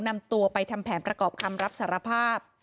นำตัวไปทำแผนประกอบคำรับสารภาพ